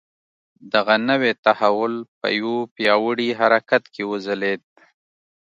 دغه نوی تحول په یوه پیاوړي حرکت کې وځلېد.